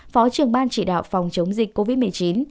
phó trưởng ban chỉ đạo phòng chống dịch covid một mươi chín